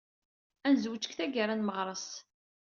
Ad nezwej deg tgara n Meɣres.